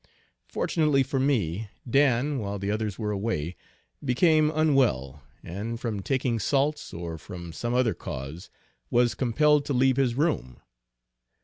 Fortunately for me, Dan, while the others were away, became unwell; and from taking salts, or from some other cause, was compelled to leave his room.